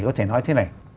có thể nói thế này